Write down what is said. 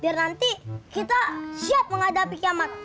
biar nanti kita siap menghadapi kiamat